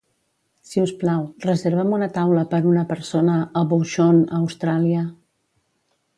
Si us plau, reserva'm una taula per una persona a Bouchon, a Austràlia.